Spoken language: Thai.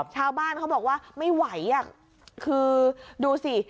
ชาวบ้านเขาบอกว่าไม่ไหวอ่ะคือดูสิ